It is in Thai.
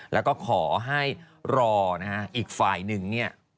แล้วก็ขอให้รอนะฮะอีกฝ่ายหนึ่งเนี่ย